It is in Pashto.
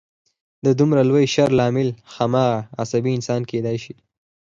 د دومره لوی شر لامل هماغه عصبي انسان کېدای شي